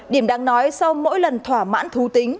điểm đáng nói sau mỗi lần thỏa mãn thú tính